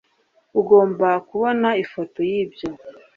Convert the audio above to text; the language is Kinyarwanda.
Ugomba kubona ifoto yibyo